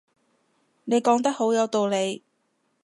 你講得好有道理